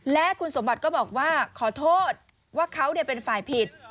และคุณสมบัติก็บอกว่าขอโทษว่าเขาเป็นฝ่ายผิด